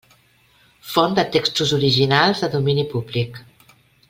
Font de textos originals de domini públic.